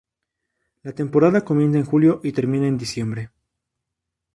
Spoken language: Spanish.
La temporada comienza en julio y termina en diciembre.